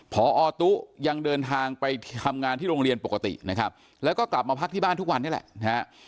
พอตุ๊ยังเดินทางไปทำงานที่โรงเรียนปกตินะครับแล้วก็กลับมาพักที่บ้านทุกวันนี้แหละนะฮะ